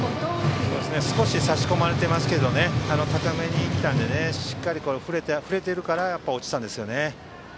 少し差し込まれてますけど高めに来たのでしっかり振れてるから落ちたんですよね。